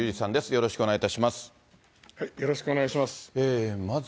よろしくお願いします。